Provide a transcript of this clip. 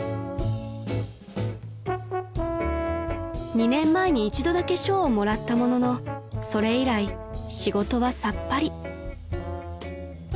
［２年前に一度だけ賞をもらったもののそれ以来仕事はさっぱり］